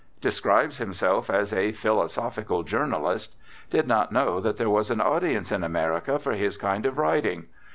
Describes himself as a "philosophical journalist." Did not know that there was an audience in America for his kind of writing.